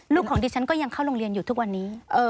ของดิฉันก็ยังเข้าโรงเรียนอยู่ทุกวันนี้